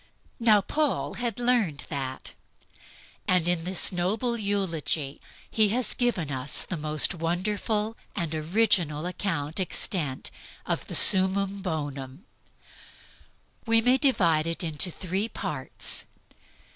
Now Paul has learned that; and in this noble eulogy he has given us the most wonderful and original account extant of the summum bonum. We may divide it into three parts.